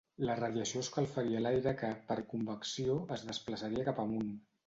La radiació escalfaria l'aire que, per convecció, es desplaçaria cap amunt.